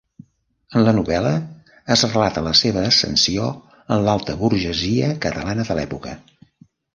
En la novel·la es relata la seva ascensió en l'alta burgesia catalana de l'època.